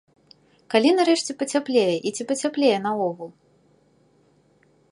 Калі нарэшце пацяплее і ці пацяплее наогул?